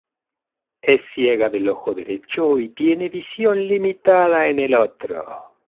Es ciega del ojo derecho y tiene visión limitada en el otro.